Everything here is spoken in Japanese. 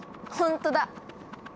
ほんとだ！